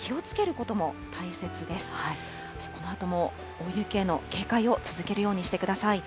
このあとも大雪への警戒を続けるようにしてください。